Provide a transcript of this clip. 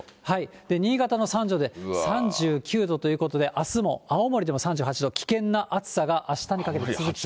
新潟の三条で３９度ということで、あすも青森でも３８度、危険な暑さがあしたにかけて続きそうです。